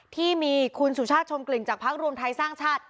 ที่มีคุณสุชาติชมกลิ่นจากพักรวมไทยสร้างชาติ